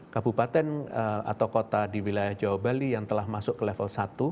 kabupaten atau kota di wilayah jawa bali yang telah masuk ke level satu